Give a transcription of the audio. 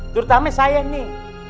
terutama saya nih